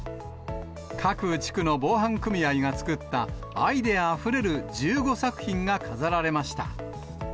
各地区の防犯組合が作ったアイデアあふれる１５作品が飾られまし